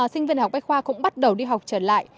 sinh viên học bách khoa cũng bắt đầu đi học trở lại